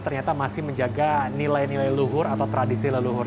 ternyata masih menjaga nilai nilai luhur atau tradisi leluhur